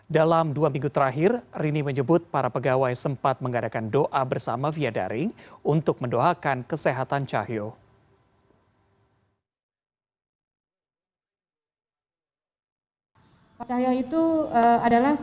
dalam dua minggu terakhir rini menyebut para pegawai sempat mengadakan doa bersama via daring untuk mendoakan kesehatan cahyo